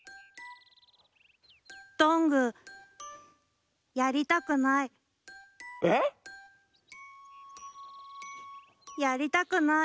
どんぐーやりたくない。え？やりたくない。